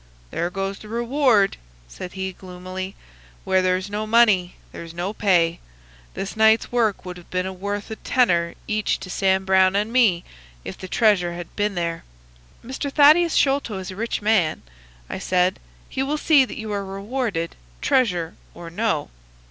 "There goes the reward!" said he, gloomily. "Where there is no money there is no pay. This night's work would have been worth a tenner each to Sam Brown and me if the treasure had been there." "Mr. Thaddeus Sholto is a rich man," I said. "He will see that you are rewarded, treasure or no."